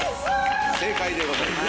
正解でございます。